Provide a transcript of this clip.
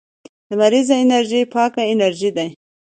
لمریزه انرژي پاکه انرژي ده